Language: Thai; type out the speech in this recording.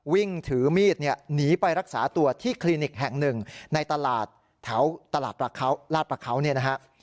วิ่งถือมีดเนี่ยหนีไปรักษาตัวที่คลินิกแห่งหนึ่งในตลาดแถวตลาดประเขาเนี่ยนะฮะ